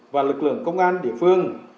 và lực lượng công an địa phương